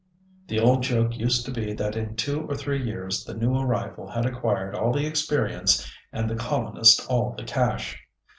The old joke used to be that in two or three years the new arrival had acquired all the experience and the colonist all the cash.